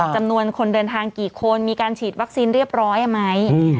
จำนวนคนเดินทางกี่คนมีการฉีดวัคซีนเรียบร้อยไหม